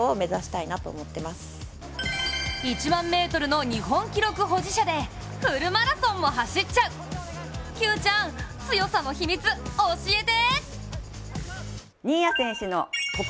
１００００ｍの日本記録保持者でフルマラソンも走っちゃう、Ｑちゃん、強さの秘密、教えて！